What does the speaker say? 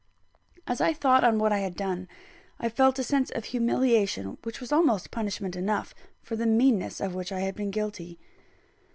As I thought on what I had done, I felt a sense of humiliation which was almost punishment enough for the meanness of which I had been guilty.